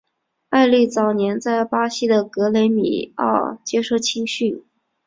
埃利早年在巴西的格雷米奥接受青训。